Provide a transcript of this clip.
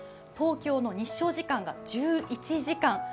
東京の日照時間が１１時間。